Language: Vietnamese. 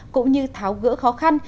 cũng như tháo gỡ khó khăn